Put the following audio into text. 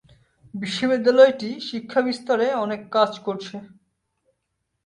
বিদ্যালয়টি শিক্ষা বিস্তারে অনেক কাজ করেছে।